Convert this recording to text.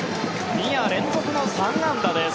２夜連続の３安打です。